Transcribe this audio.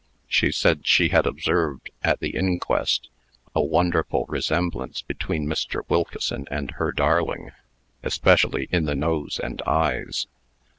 She said she had observed, at the inquest, a wonderful resemblance between Mr. Wilkeson and her darling, especially in the nose and eyes.